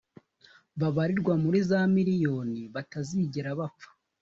babarirwa muri za miriyoni batazigera bapfa